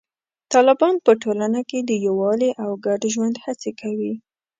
طالبان په ټولنه کې د یووالي او ګډ ژوند هڅې کوي.